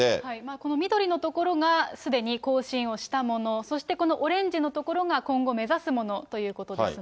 この緑のところがすでに更新をしたもの、そしてこのオレンジのところが今後目指すものということですね。